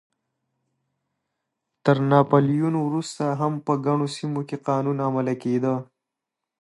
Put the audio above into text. تر ناپلیون وروسته هم په ګڼو سیمو کې قانون عملی کېده.